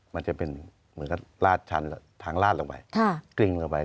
มันจะเป็นเหมือนกับลาดชั้นทางลาดลงไปกลิ้งลงไป